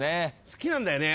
好きなんだよね。